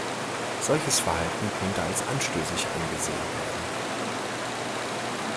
Solches Verhalten könnte als anstößig angesehen werden.